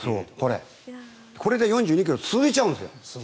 これで４２ｋｍ続いちゃうんですよ。